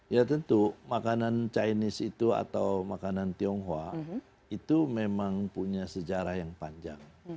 ya tentu makanan chinese itu atau makanan tionghoa itu memang punya sejarah yang panjang